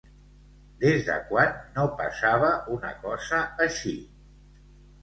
Des de quan no passava una cosa així?